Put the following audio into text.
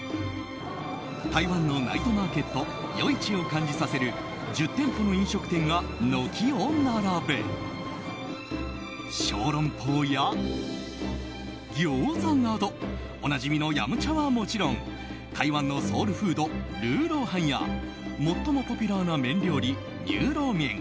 台湾のナイトマーケット夜市を感じさせる１０店舗の飲食店が軒を並べ小龍包やギョーザなどおなじみの飲茶はもちろん台湾祭のソウルフードルーローハンや最もポピュラーな麺料理ニューローメン